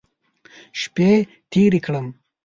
شپې تېرې کړم.